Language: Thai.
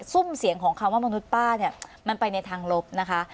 ซุ่มเสียงของคำว่ามนุษย์ป้าเนี่ยมันไปในทางลบนะคะ